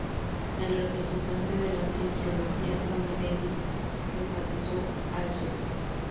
El representante de la Cienciología, Tommy Davis, enfatizó al St.